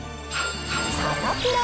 サタプラ。